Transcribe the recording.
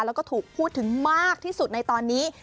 แล้วก็ถูกพูดถึงมากที่สุดในตอนนี้